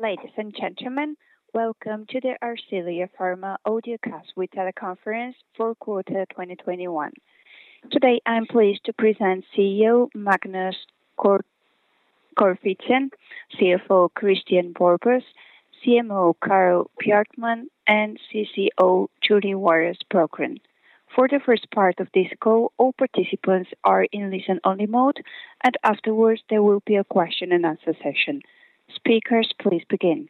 Ladies and gentlemen, welcome to the Ascelia Pharma audio cast with teleconference for quarter 2021. Today, I'm pleased to present CEO Magnus Corfitzen, CFO Kristian Borbos, CMO Carl Bjartmar, and CCO Julie Waras Brogren. For the first part of this call, all participants are in listen-only mode, and afterwards, there will be a question and answer session. Speakers, please begin.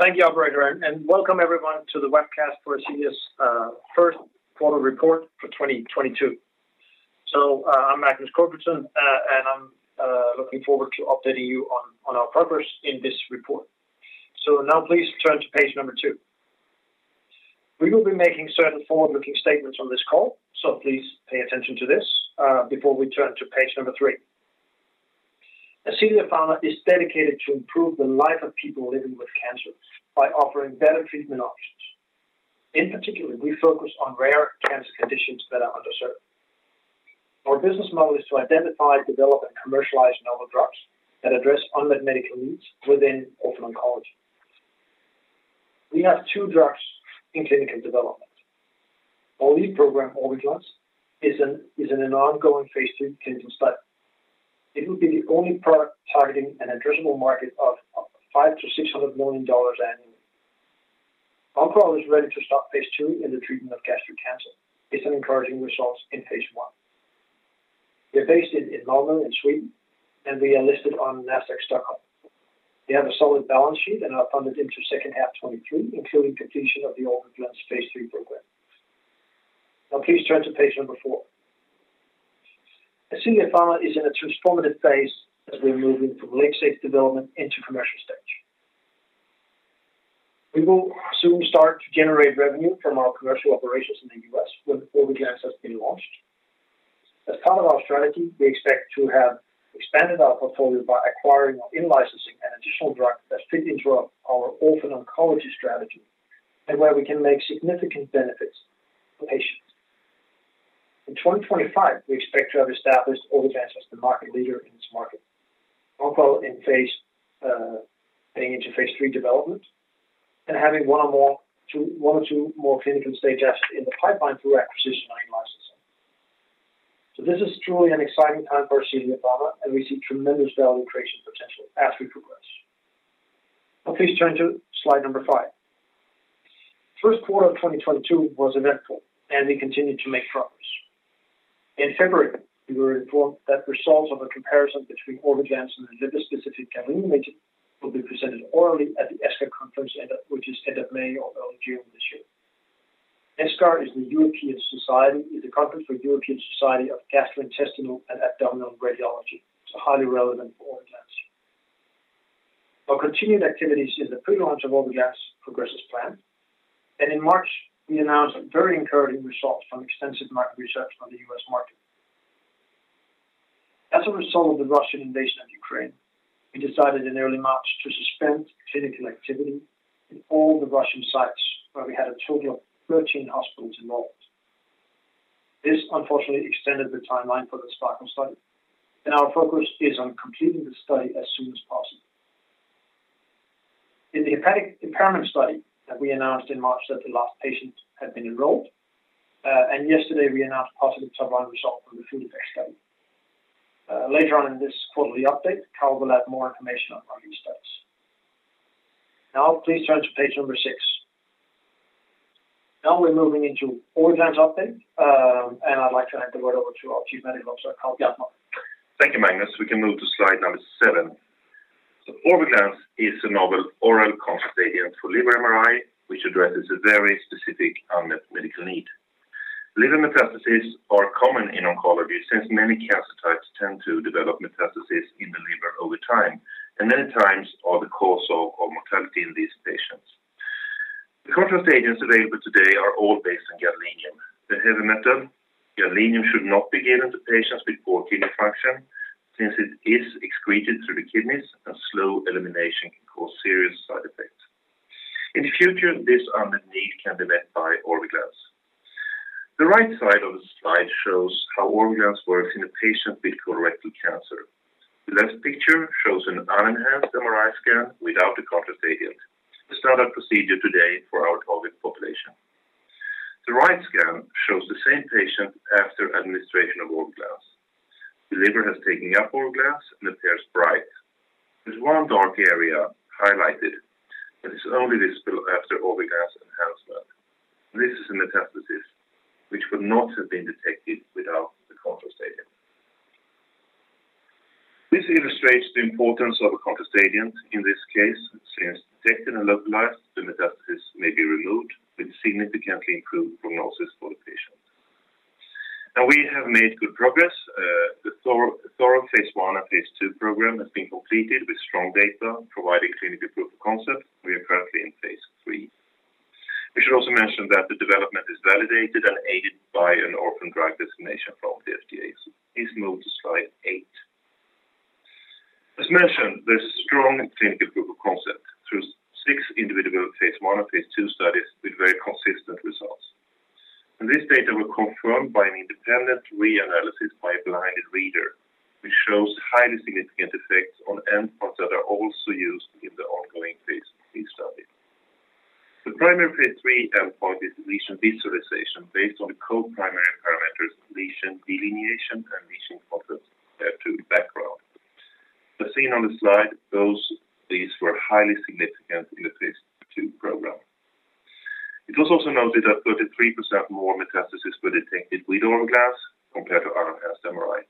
Thank you, operator, and welcome everyone to the webcast for Ascelia's first quarter report for 2022. I'm Magnus Corfitzen, and I'm looking forward to updating you on our progress in this report. Now please turn to Page 2. We will be making certain forward-looking statements on this call, so please pay attention to this before we turn to Page 3. Ascelia Pharma is dedicated to improve the life of people living with cancer by offering better treatment options. In particular, we focus on rare cancer conditions that are underserved. Our business model is to identify, develop, and commercialize novel drugs that address unmet medical needs within orphan oncology. We have two drugs in clinical development. Our lead program, Orviglance, is in an ongoing Phase III clinical study. It will be the only product targeting an addressable market of $500 million-$600 million annually. Oncoral is ready to start Phase II in the treatment of gastric cancer based on encouraging results in Phase I. We are based in Malmö, in Sweden, and we are listed on Nasdaq Stockholm. We have a solid balance sheet and are funded into second half 2023, including completion of the Orviglance Phase III program. Now please turn to Page Number 4. Ascelia Pharma is in a transformative Phase as we are moving from late-stage development into commercial stage. We will soon start to generate revenue from our commercial operations in the U.S. when Orviglance has been launched. As part of our strategy, we expect to have expanded our portfolio by acquiring or in-licensing an additional drug that fit into our orphan oncology strategy and where we can make significant benefits for patients. In 2025, we expect to have established Orviglance as the market leader in this market. Oncoral in Phase getting into Phase III development, and having one or two more clinical-stage assets in the pipeline through acquisition or in-licensing. This is truly an exciting time for Ascelia Pharma, and we see tremendous value creation potential as we progress. Now please turn to Slide number 5. First quarter of 2022 was eventful, and we continued to make progress. In February, we were informed that results of a comparison between Orviglance and the liver-specific gadolinium will be presented orally at the ESGAR conference end of May or early June this year. ESGAR is a conference for the European Society of Gastrointestinal and Abdominal Radiology. It's highly relevant for Orviglance. Our continuing activities in the pre-launch of Orviglance progress as planned. In March, we announced a very encouraging result from extensive market research on the U.S. market. As a result of the Russian invasion of Ukraine, we decided in early March to suspend clinical activity in all the Russian sites where we had a total of 13 hospitals involved. This unfortunately extended the timeline for the SPARKLE study, and our focus is on completing the study as soon as possible. In the hepatic impairment study that we announced in March that the last patient had been enrolled, and yesterday we announced positive top-line results from the Food Effect Study. Later on in this quarterly update, Carl will have more information on our new studies. Now please turn to Page 6. Now we're moving into Orviglance update, and I'd like to hand the word over to our Chief Medical Officer, Carl Bjartmar. Thank you, Magnus. We can move to Slide number 7. Orviglance is a novel oral contrast agent for liver MRI, which addresses a very specific unmet medical need. Liver metastases are common in oncology since many cancer types tend to develop metastases in the liver over time, and many times are the cause of mortality in these patients. The contrast agents available today are all based on gadolinium. The heavy metal gadolinium should not be given to patients with poor kidney function since it is excreted through the kidneys and slow elimination can cause serious side effects. In the future, this unmet need can be met by Orviglance. The right side of the Slide shows how Orviglance works in a patient with colorectal cancer. The left picture shows an unenhanced MRI scan without the contrast agent. The standard procedure today for our target population. The right scan shows the same patient after administration of Orviglance. The liver has taken up Orviglance and appears bright. There's one dark area highlighted, and it's only visible after Orviglance enhancement. This is a metastasis which would not have been detected without the contrast agent. This illustrates the importance of a contrast agent in this case, since detected and localized, the metastasis may be removed with significantly improved prognosis for the patient. Now we have made good progress. The thorough Phase I and Phase II program has been completed with strong data providing clinical proof of concept. We are currently in Phase III. We should also mention that the development is validated and aided by an orphan drug designation from the FDA. Please move to Slide 8. As mentioned, the strong clinical one of these two studies with very consistent results. This data were confirmed by an independent reanalysis by a blinded reader, which shows highly significant effects on endpoints that are also used in the ongoing Phase III study. The primary Phase III endpoint is lesion visualization based on the co-primary parameters lesion delineation and lesion contrast-to-background. As seen on the Slide, these were highly significant in the Phase II program. It was also noted that 33% more metastases were detected with Orviglance compared to unenhanced MRI.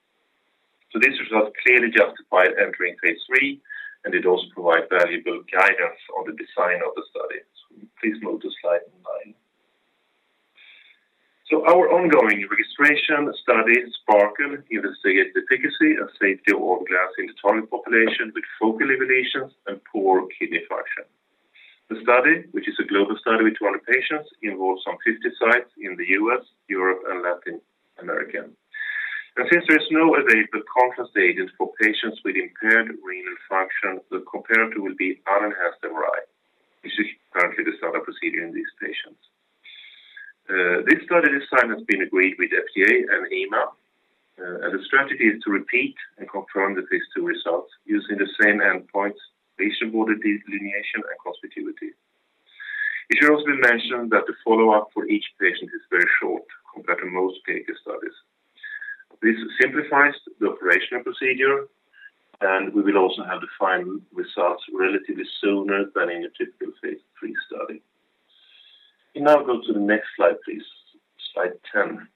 These results clearly justified entering Phase III, and it also provide valuable guidance on the design of the study. Please move to Slide 9. Our ongoing registration study, SPARKLE, investigates efficacy and safety of Orviglance in the target population with focal lesions and poor kidney function. The study, which is a global study with 200 patients, involves some 50 sites in the U.S., Europe, and Latin America. Since there is no available contrast agent for patients with impaired renal function, the comparator will be unenhanced MRI, which is currently the standard procedure in these patients. This study design has been agreed with FDA and EMA, and the strategy is to repeat and confirm the Phase II results using the same endpoints, lesion border delineation and lesion contrast. It should also be mentioned that the follow-up for each patient is very short compared to most previous studies. This simplifies the operational procedure, and we will also have the final results relatively sooner than in a typical Phase III study. You now go to the next Slide, please. Slide 10.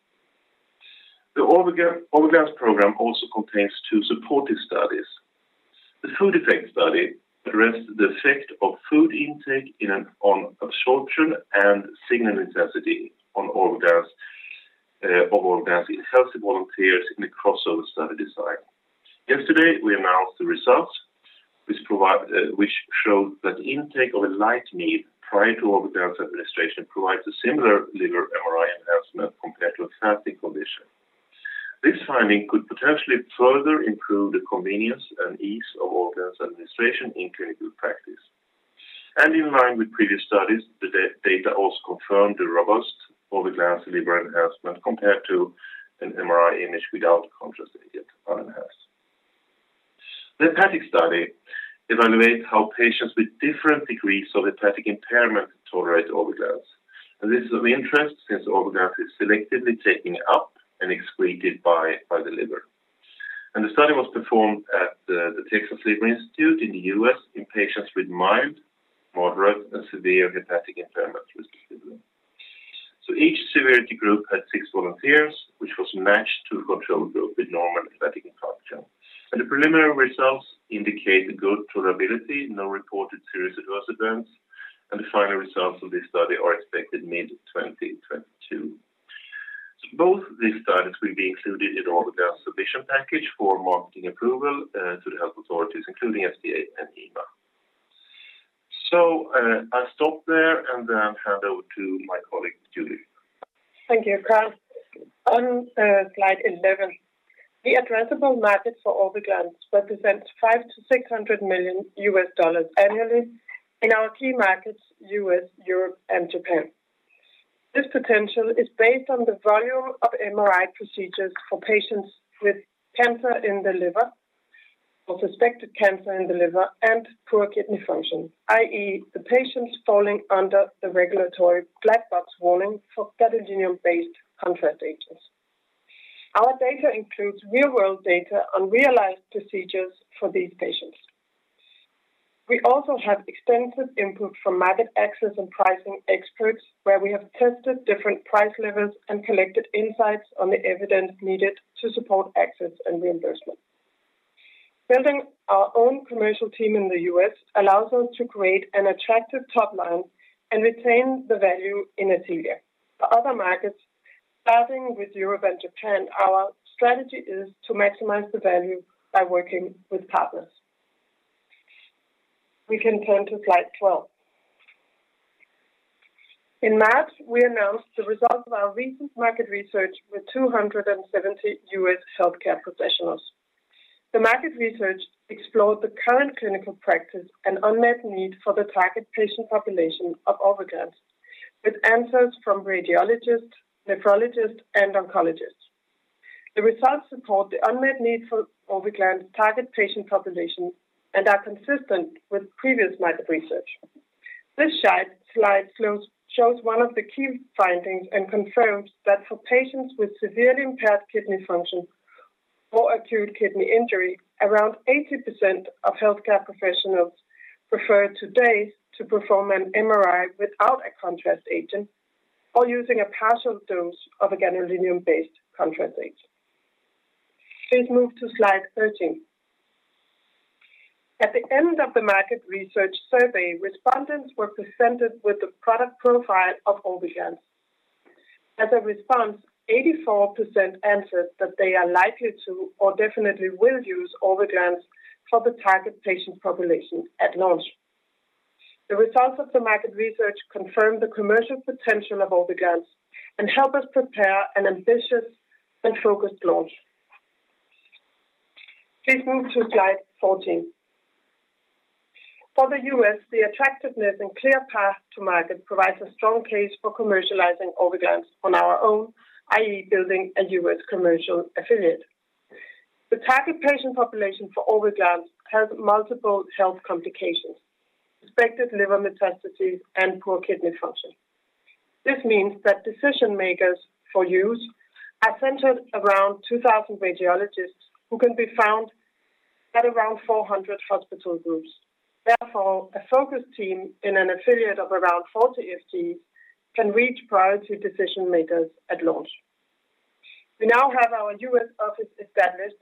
The Orviglance program also contains two supportive studies. The food effects study addressed the effect of food intake on absorption and signal intensity of Orviglance in healthy volunteers in a crossover study design. Yesterday, we announced the results which showed that intake of a light meal prior to Orviglance administration provides a similar liver MRI enhancement compared to a fasting condition. This finding could potentially further improve the convenience and ease of Orviglance administration in clinical practice. In line with previous studies, the data also confirmed the robust Orviglance liver enhancement compared to an MRI image without a contrast agent unenhanced. The hepatic study evaluates how patients with different degrees of hepatic impairment tolerate Orviglance. This is of interest since Orviglance is selectively taken up and excreted by the liver. The study was performed at the Texas Liver Institute in the U.S. in patients with mild, moderate, and severe hepatic impairment. Thank you, Carl. On Slide 11. The addressable market for Orviglance represents $500 million-$600 million annually in our key markets, U.S., Europe, and Japan. This potential is based on the volume of MRI procedures for patients with cancer in the liver or suspected cancer in the liver and poor kidney function, i.e., the patients falling under the regulatory black box warning for gadolinium-based contrast agents. Our data includes real-world data on realized procedures for these patients. We also have extensive input from market access and pricing experts, where we have tested different price levels and collected insights on the evidence needed to support access and reimbursement. Building our own commercial team in the U.S. allows us to create an attractive top line and retain the value in Ascelia. For other markets, starting with Europe and Japan, our strategy is to maximize the value by working with partners. We can turn to Slide 12. In March, we announced the results of our recent market research with 270 U.S. healthcare professionals. The market research explored the current clinical practice and unmet need for the target patient population of Orviglance, with answers from radiologists, nephrologists, and oncologists. The results support the unmet need for Orviglance target patient population and are consistent with previous market research. This Slide shows one of the key findings and confirms that for patients with severely impaired kidney function or acute kidney injury, around 80% of healthcare professionals prefer today to perform an MRI without a contrast agent or using a partial dose of a gadolinium-based contrast agent. Please move to Slide 13. At the end of the market research survey, respondents were presented with the product profile of Orviglance. As a response, 84% answered that they are likely to or definitely will use Orviglance for the target patient population at launch. The results of the market research confirm the commercial potential of Orviglance and help us prepare an ambitious and focused launch. Please move to Slide 14. For the U.S., the attractiveness and clear path to market provides a strong case for commercializing Orviglance on our own, i.e., building a U.S. commercial affiliate. The target patient population for Orviglance has multiple health complications, suspected liver metastases, and poor kidney function. This means that decision-makers for use are centered around 2,000 radiologists who can be found at around 400 hospital groups. Therefore, a focus team in an affiliate of around 40 FTEs can reach priority decision-makers at launch. We now have our U.S. office established,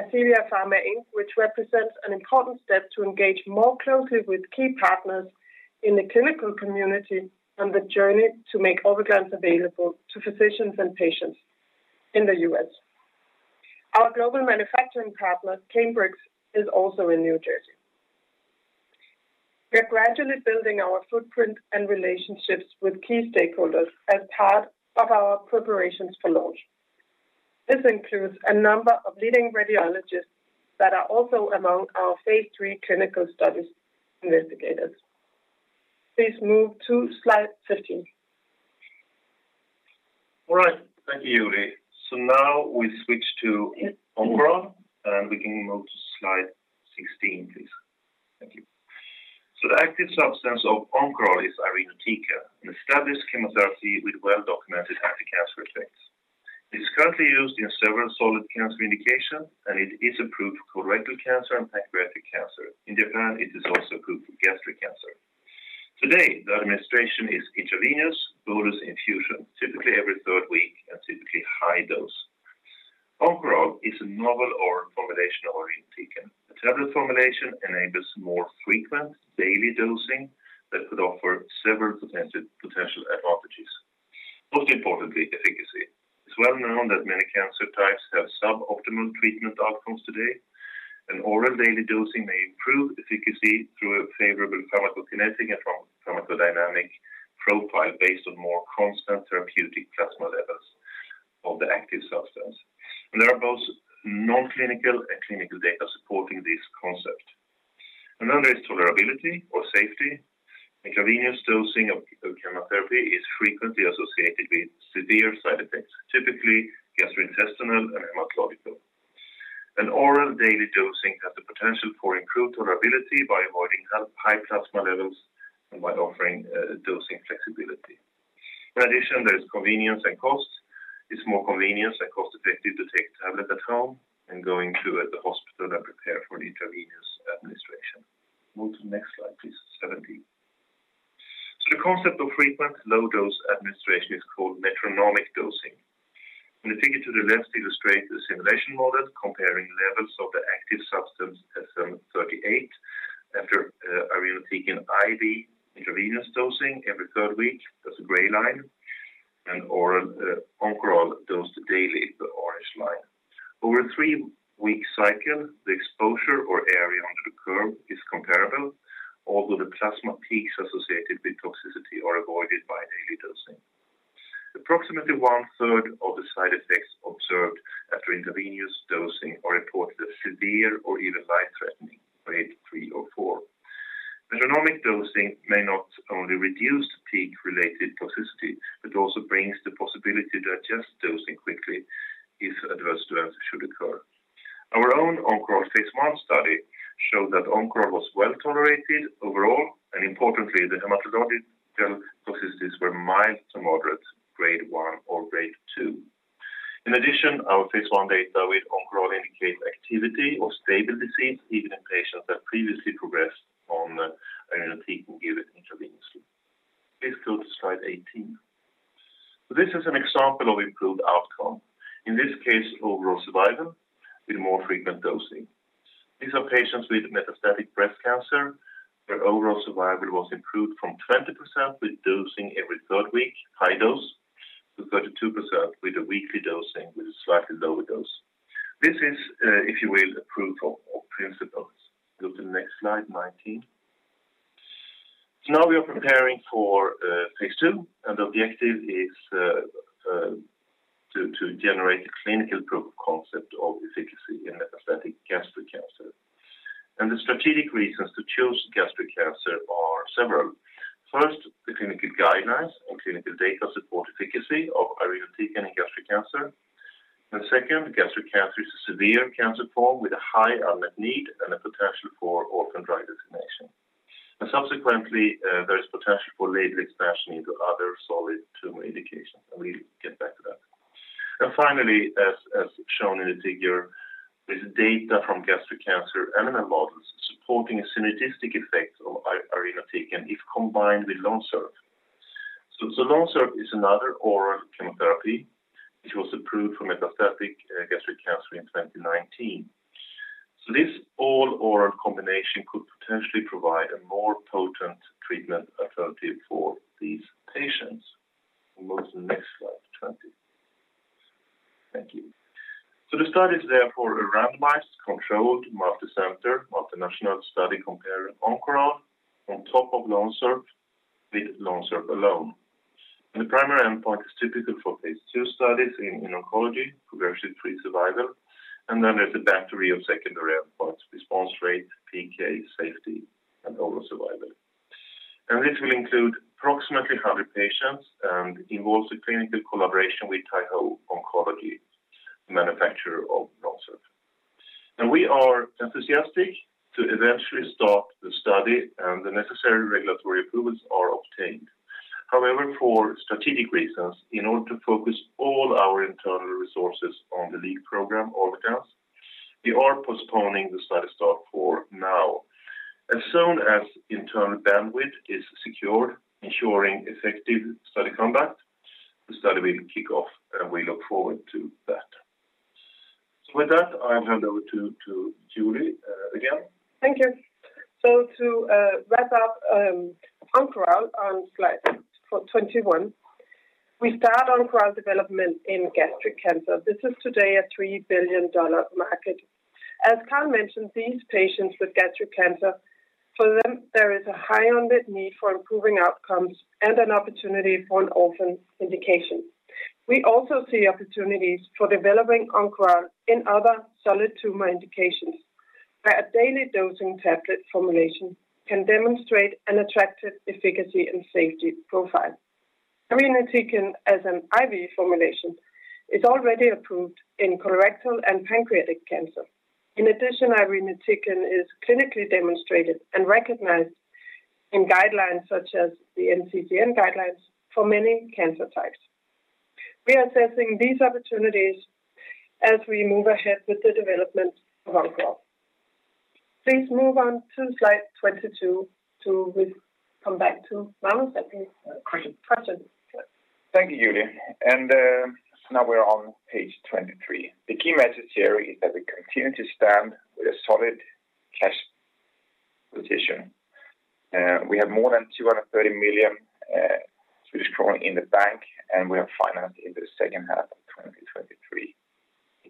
Ascelia Pharma Inc, which represents an important step to engage more closely with key partners in the clinical community on the journey to make Orviglance available to physicians and patients in the U.S. Our global manufacturing partner, Cambrex, is also in New Jersey. We are gradually building our footprint and relationships with key stakeholders as part of our preparations for launch. This includes a number of leading radiologists that are also among our Phase III clinical studies investigators. Please move to Slide 15. All right. Thank you, Julie. Now we switch to Oncoral, and we can move to Slide 16, please. Thank you. The active substance of Oncoral is irinotecan, an established chemotherapy with well-documented anti-cancer effects. It is currently used in several solid cancer indications, and it is approved for colorectal cancer and pancreatic cancer. In Japan, it is also approved for gastric cancer. Today, the administration is intravenous bolus infusion, typically every third week and typically high dose. Oncoral is a novel oral formulation of irinotecan. A tablet formulation enables more frequent daily dosing that could offer several potential advantages. Most importantly, efficacy. It's well known that many cancer types have suboptimal treatment outcomes today. An oral daily dosing may improve efficacy through a favorable pharmacokinetic and pharmacodynamic profile based on more constant therapeutic plasma levels of the active substance. There are both non-clinical and clinical data supporting this concept. Another is tolerability or safety. Convenience dosing of chemotherapy is frequently associated with severe side effects, typically gastrointestinal and hematological. An oral daily dosing has the potential for improved tolerability by avoiding high plasma levels and by offering dosing flexibility. In addition, there is convenience and cost. It's more convenience and cost-effective to take tablet at home than going to the hospital and prepare for the intravenous administration. Move to the next Slide, please. 17. The concept of frequent low-dose administration is called metronomic dosing. The figure to the left illustrates the simulation model comparing levels of the active substance SN-38 after irinotecan intravenous dosing every third week. That's the gray line. Oral Oncoral dosed daily, the orange line. Over a 3-week cycle, the exposure or area under the curve is comparable, although the plasma peaks associated with toxicity are avoided by daily dosing. Approximately one-third of the side effects observed after intravenous dosing are reported as severe or even life-threatening, grade three or four. Metronomic dosing may not only reduce peak-related toxicity, but also brings the possibility to adjust dosing quickly if adverse events should occur. Our own Oncoral Phase I study showed that Oncoral was well-tolerated overall, and importantly, the hematological toxicities were mild to moderate, grade one or grade two. In addition, our Phase I data with Oncoral indicate activity or stable disease even in patients that previously progressed on irinotecan given intravenously. Please go to Slide 18. This is an example of improved outcome, in this case, overall survival with more frequent dosing. These are patients with metastatic breast cancer, where overall survival was improved from 20% with dosing every third week, high dose, to 32% with a weekly dosing with a slightly lower dose. This is, if you will, a proof of principles. Go to the next Slide, 19. Now we are preparing for Phase II, and the objective is to generate a clinical proof of concept of efficacy in metastatic gastric cancer. The strategic reasons to choose gastric cancer are several. First, the clinical guidelines and clinical data support efficacy of irinotecan in gastric cancer. Second, gastric cancer is a severe cancer form with a high unmet need and a potential for orphan drug designation. Subsequently, there is potential for label expansion into other solid tumor indications, and we'll get back to that. Finally, as shown in the figure, there's data from gastric cancer animal models supporting a synergistic effect of irinotecan if combined with LONSURF. LONSURF is another oral chemotherapy, which was approved for metastatic gastric cancer in 2019. This all-oral combination could potentially provide a more potent treatment alternative for these patients. We'll move to the next Slide, 20. Thank you. The study is therefore a randomized, controlled, multicenter, multinational study comparing Oncoral on top of LONSURF with LONSURF alone. The primary endpoint is typical for Phase II studies in oncology, progression-free survival. Then there's a battery of secondary endpoints, response rate, PK, safety, and overall survival. This will include approximately 100 patients and involves a clinical collaboration with Taiho Oncology, manufacturer of LONSURF. We are enthusiastic to eventually start the study, and the necessary regulatory approvals are obtained. However, for strategic reasons, in order to focus all our internal resources on the lead program, Orviglance, we are postponing the study start for now. As soon as internal bandwidth is secured, ensuring effective study conduct, the study will kick off, and we look forward to that. With that, I'll hand over to Julie again. Thank you. To wrap up, Oncoral on Slide 21, we start Oncoral development in gastric cancer. This is today a $3 billion market. As Carl mentioned, these patients with gastric cancer, for them, there is a high unmet need for improving outcomes and an opportunity for an orphan indication. We also see opportunities for developing Oncoral in other solid tumor indications, where a daily dosing tablet formulation can demonstrate an attractive efficacy and safety profile. Irinotecan as an IV formulation is already approved in colorectal and pancreatic cancer. In addition, Irinotecan is clinically demonstrated and recognized in guidelines such as the NCCN guidelines for many cancer types. We are assessing these opportunities as we move ahead with the development of Oncoral. Please move on to Slide 22 to come back to Magnus, I think, question. Thank you, Julie. Now we're on page 23. The key message here is that we continue to stand with a solid cash position. We have more than 230 million Swedish kronor in the bank, and we are financing the second half of 2023.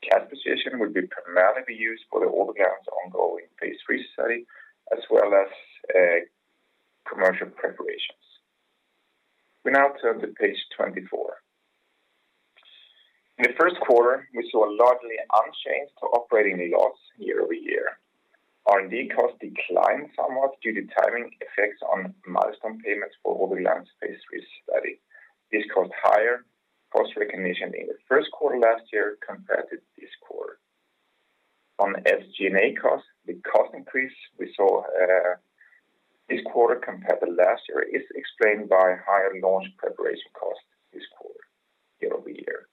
The cash position would primarily be used for the Orviglance ongoing Phase III study as well as commercial preparations. We now turn to Page 24. In the first quarter, we saw a largely unchanged operating loss year-over-year. R&D costs declined somewhat due to timing effects on milestone payments for Orviglance Phase III study. This caused higher cost recognition in the first quarter last year compared to this quarter. On SG&A costs, the cost increase we saw this quarter compared to last year is explained by higher launch preparation costs this quarter year-over-year.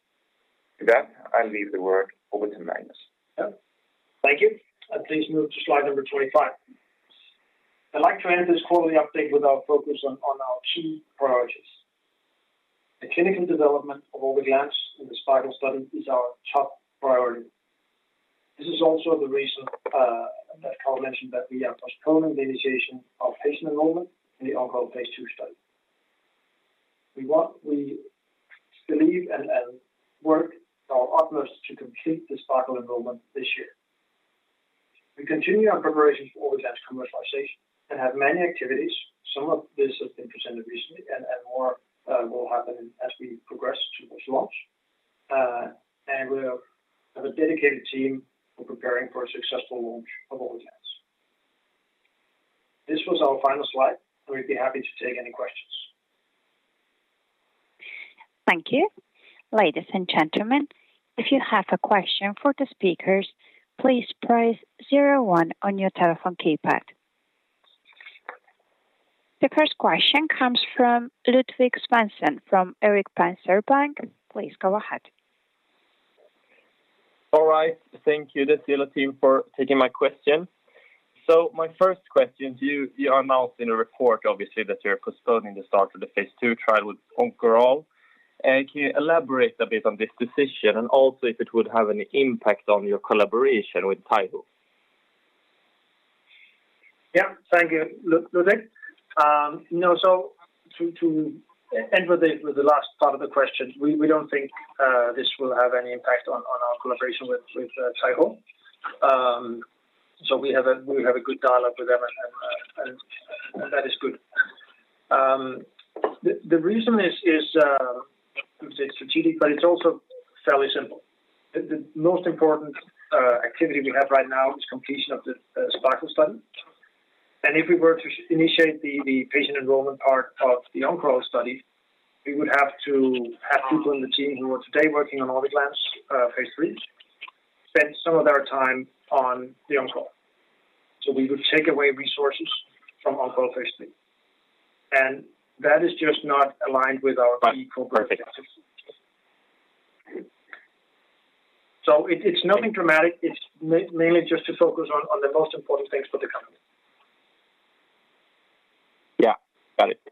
With that, I leave the word over to Magnus. Yeah. Thank you. Please move to Slide number 25. I'd like to end this quarterly update with our focus on our key priorities. The clinical development of Orviglance in the SPARKLE study is our top priority. This is also the reason that Carl mentioned that we are postponing the initiation of patient enrollment in the Oncoral Phase II study. We believe and work our utmost to complete the SPARKLE enrollment this year. We continue our preparations for Orviglance commercialization and have many activities. Some of this has been presented recently and more will happen as we progress towards launch. We have a dedicated team for preparing for a successful launch of Orviglance. This was our final Slide. We'd be happy to take any questions. Thank you. Ladies and gentlemen, if you have a question for the speakers, please press zero one on your telephone keypad. The first question comes from Ludvig Svensson from Erik Penser Bank. Please go ahead. All right. Thank you, the Ascelia team, for taking my question. My first question to you announced in a report, obviously, that you're postponing the start of the Phase II trial with Oncoral. Can you elaborate a bit on this decision and also if it would have any impact on your collaboration with Taiho? Thank you, Ludvig. No. To end with the last part of the question, we don't think this will have any impact on our collaboration with Taiho. We have a good dialogue with them and that is good. The reason is strategic, but it's also fairly simple. The most important activity we have right now is completion of the SPARKLE study. If we were to initiate the patient enrollment part of the Oncoral study, we would have to have people in the team who are today working on Orviglance Phase III spend some of their time on the Oncoral. We would take away resources from Oncoral Phase III. That is just not aligned with our key corporate objectives. Understood. It's nothing dramatic. It's mainly just to focus on the most important things for the company. Yeah. Got it.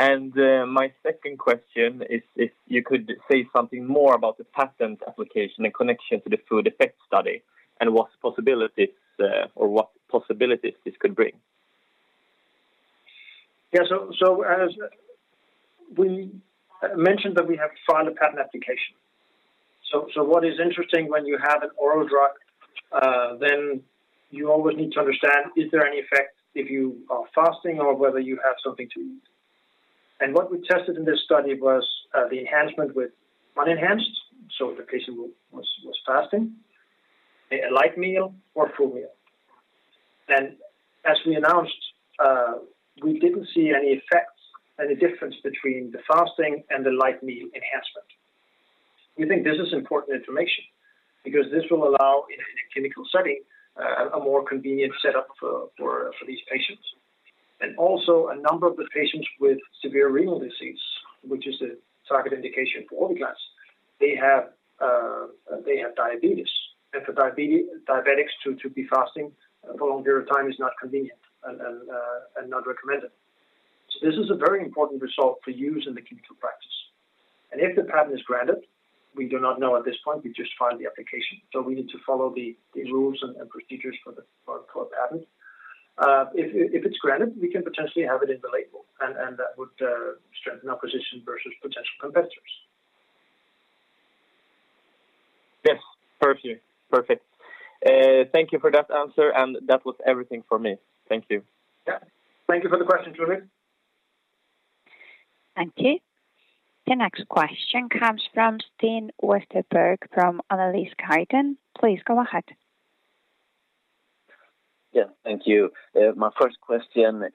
Okay. My second question is if you could say something more about the patent application in connection to the food effect study and what possibilities this could bring. As we mentioned, we have filed a patent application. What is interesting when you have an oral drug, then you always need to understand is there any effect if you are fasting or whether you have something to eat. What we tested in this study was the enhancement with unenhanced, so the patient was fasting, a light meal or full meal. As we announced, we didn't see any effects, any difference between the fasting and the light meal enhancement. We think this is important information because this will allow in a clinical setting a more convenient setup for these patients. Also, a number of the patients with severe renal disease, which is a target indication for Orviglance, they have diabetes. For diabetics to be fasting for a long period of time is not convenient and not recommended. This is a very important result for use in the clinical practice. If the patent is granted, we do not know at this point, we just filed the application. We need to follow the rules and procedures for a patent. If it's granted, we can potentially have it in the label and that would strengthen our position versus potential competitors. Yes. Perfect. Thank you for that answer, and that was everything for me. Thank you. Yeah. Thank you for the question, Ludvig. Thank you. The next question comes from Sten Westerberg from Analysguiden. Please go ahead. Yeah. Thank you. My first question,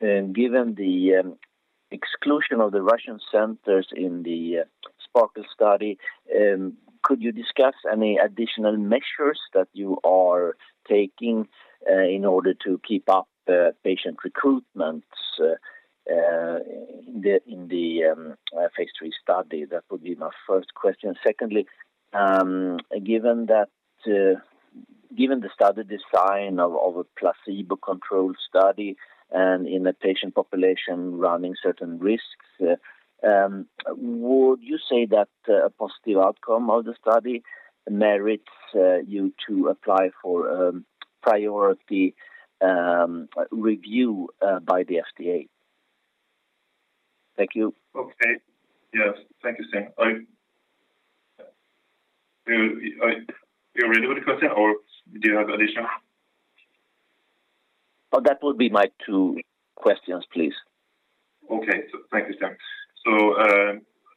given the exclusion of the Russian centers in the SPARKLE study, could you discuss any additional measures that you are taking in order to keep up the patient recruitments in the Phase III study? That would be my first question. Secondly, given the study design of a placebo-controlled study and in a patient population running certain risks, would you say that a positive outcome of the study merits you to apply for priority review by the FDA? Thank you. Okay. Yes. Thank you, Sten. Are you ready with the question or do you have additional? Oh, that would be my two questions, please. Okay. Thank you, Sten.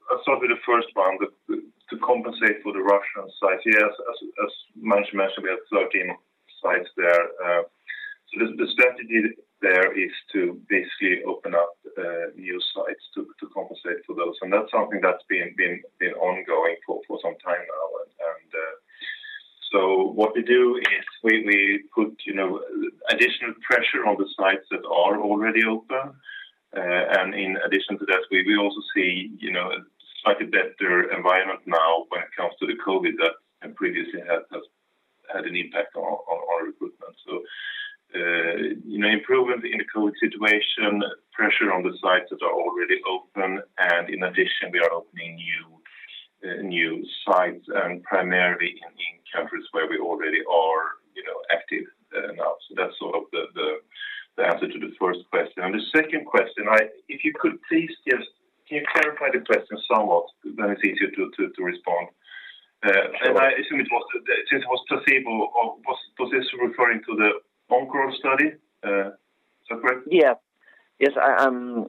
I'll start with the first one. To compensate for the Russian site. Yes. As Mange mentioned, we had 13 sites there. The strategy there is to basically open up new sites to compensate for those. That's something that's been ongoing for some time now. What we do is we put, you know, additional pressure on the sites that are already open. In addition to that, we also see, you know, a slightly better environment now when it comes to the target that previously has had an impact on our recruitment. Improvement in the target situation, pressure on the sites that are already open. In addition, we are opening new sites and primarily in countries where we already are, you know, active now. That's sort of the answer to the first question. The second question, can you clarify the question somewhat, then it's easier to respond. Sure. I assume it was since it was placebo or was this referring to the Oncoral study, separate? Yeah. Yes, I'm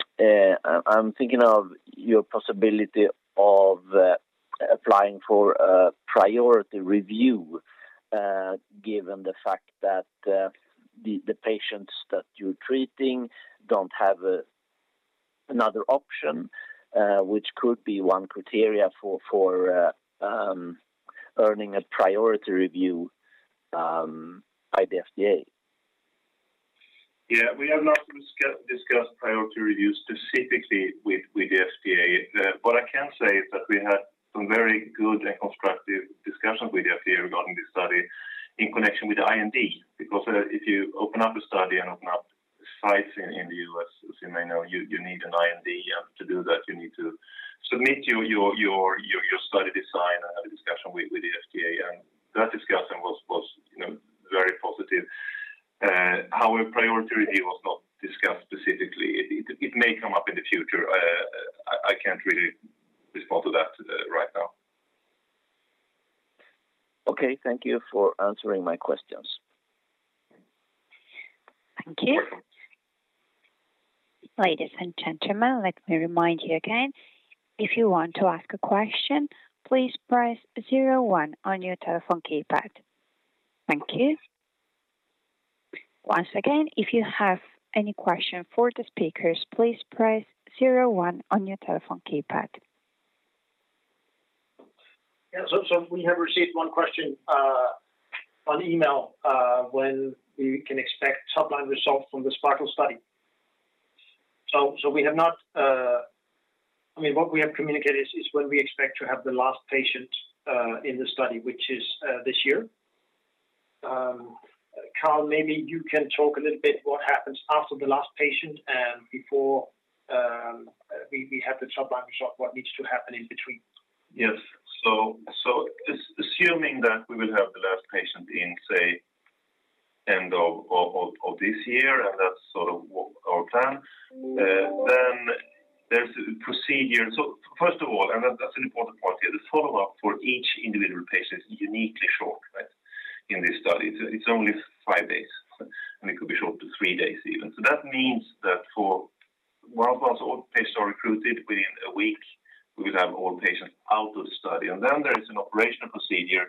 thinking of your possibility of applying for a priority review, given the fact that the patients that you're treating don't have another option, which could be one criteria for earning a priority review by the FDA. Yeah. We have not discussed priority review specifically with the FDA. What I can say is that we had some very good and constructive discussions with the FDA regarding this study in connection with the IND. Because if you open up a study and open up sites in the U.S., as you may know, you need an IND. To do that you need to submit your study design and have a discussion with the FDA. That discussion was, you know, very positive. However, priority review was not discussed specifically. It may come up in the future. I can't really respond to that right now. Okay. Thank you for answering my questions. Thank you. Ladies and gentlemen, let me remind you again. If you want to ask a question, please press zero one on your telephone keypad. Thank you. Once again, if you have any question for the speakers, please press zero one on your telephone keypad. Yeah. We have received one question on email when we can expect top-line results from the SPARKLE study. We have not. I mean, what we have communicated is when we expect to have the last patient in the study, which is this year. Carl, maybe you can talk a little bit what happens after the last patient and before we have the top-line result, what needs to happen in between. Yes. Assuming that we will have the last patient in, say, end of this year, and that's sort of our plan. Then there's a procedure. First of all, that's an important point here, the follow-up for each individual patient is uniquely short, right, in this study. It's only five days, and it could be as short as three days even. That means that once all patients are recruited within a week, we will have all patients out of the study. Then there is an operational procedure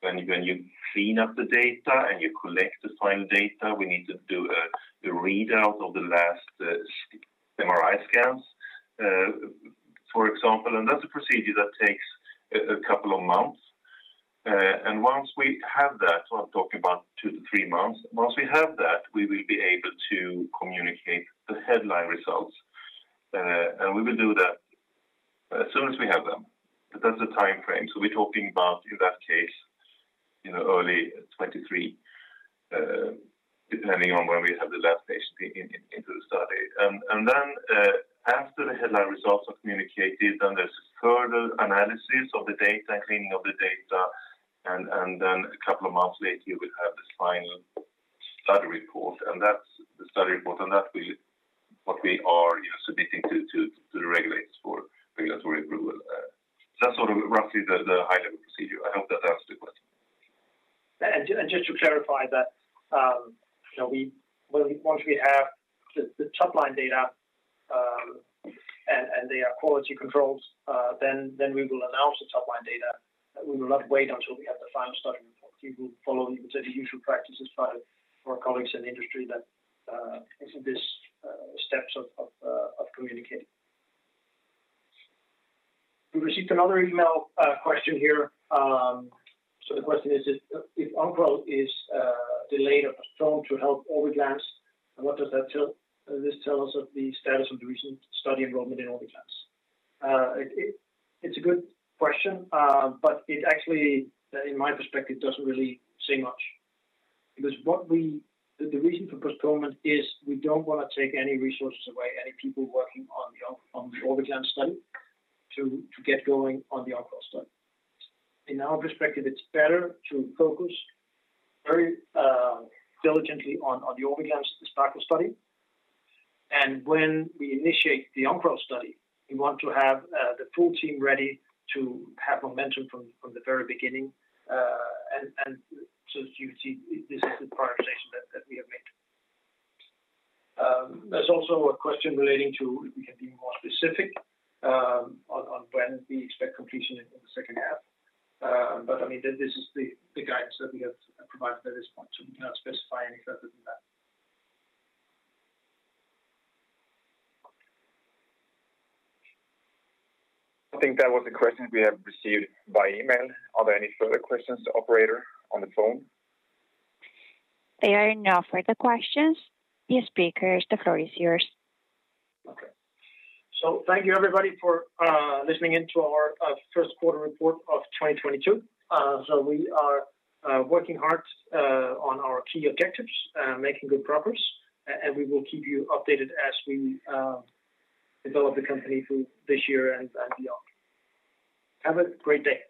when you clean up the data and you collect the final data. We need to do the readout of the last MRI scans, for example. That's a procedure that takes a couple of months. Once we have that, I'm talking about two-three months, we will be able to communicate the headline results. We will do that as soon as we have them, but that's the timeframe. We're talking about, in that case, you know, early 2023, depending on when we have the last patient into the study. After the headline results are communicated, then there's further analysis of the data and cleaning of the data. A couple of months later, we'll have this final study report, and that's the study report. That will be what we are, you know, submitting to the regulators for regulatory approval. That's sort of roughly the high-level procedure. I hope that's the question. Just to clarify that, once we have the top line data and they are quality controlled, then we will announce the top line data. We will not wait until we have the final study report. We will follow the usual practices by our colleagues in the industry that the steps of communicating. We received another email question here. The question is if Oncoral is delayed or postponed to help Orviglance, what does that tell us of the status of the recent study enrollment in Orviglance? It's a good question. It actually in my perspective doesn't really say much. Because what we The reason for postponement is we don't wanna take any resources away, any people working on the Orviglance study to get going on the Oncoral study. In our perspective, it's better to focus very diligently on the Orviglance, the SPARKLE study. When we initiate the Oncoral study, we want to have the full team ready to have momentum from the very beginning. As you can see, this is the prioritization that we have made. There's also a question relating to if we can be more specific on when we expect completion in the second half. I mean, this is the guidance that we have provided at this point, so we cannot specify any further than that. I think that was the question we have received by email. Are there any further questions, operator, on the phone? There are no further questions. You speakers, the floor is yours. Okay. Thank you, everybody, for listening in to our first quarter report of 2022. We are working hard on our key objectives, making good progress. And we will keep you updated as we develop the company through this year and beyond. Have a great day.